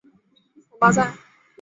蒙巴赞。